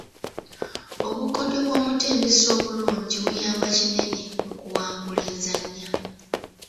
Obukodyo bw'omutendesi obulungi buyamba kinene mu kuwangula enzannya.